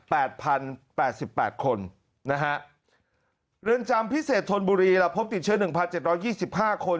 พันแปดสิบแปดคนนะฮะเรือนจำพิเศษธนบุรีเราพบติดเชื้อหนึ่งพันเจ็ดร้อยยี่สิบห้าคน